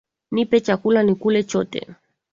Nipe chakula nikule chote